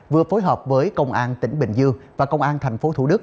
vừa phối hợp với công an tỉnh bình dương và công an thành phố thủ đức